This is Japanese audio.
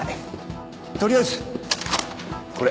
取りあえずこれ。